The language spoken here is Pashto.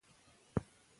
هره شپه خپل اعمال وڅارئ.